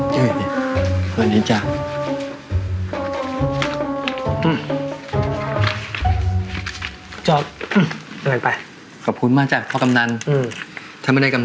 ไม่เป็นไรหรอกถือว่าฉันช่วยหลานเขาแล้วกัน